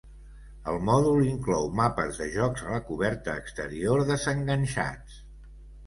El mòdul inclou mapes de jocs a la coberta exterior desenganxats.